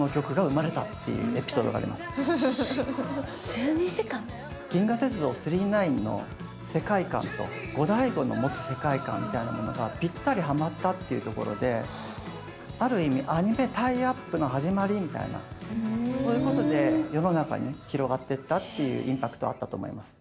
１２時間⁉「銀河鉄道９９９」の世界観とゴダイゴの持つ世界観みたいなものがぴったりはまったっていうところである意味アニメタイアップの始まりみたいなそういうことで世の中に広がってったっていうインパクトあったと思います。